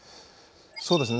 そうですね